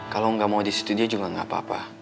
kalo gak mau di studio juga gak apa apa